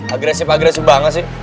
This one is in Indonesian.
agresif agresif banget sih